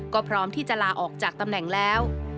ก็พร้อมที่จะลาออกจากตำแหน่งแล้ว